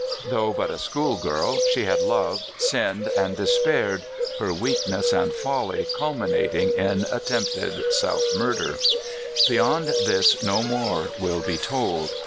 Though but a schoolgirl, she had loved, sinned, and despaired, her weakness and folly culminating in attempted self murder. Beyond this no more will be tola.